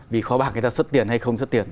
vì khó bạc người ta xuất tiền hay không xuất tiền